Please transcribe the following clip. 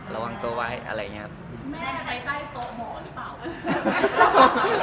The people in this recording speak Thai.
ระวังตัวไว้อะไรอย่างเงี้ยครับ